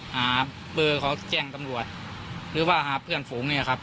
หาเบอร์เขาแจ้งตำรวจหรือว่าหาเพื่อนฝูงเนี่ยครับ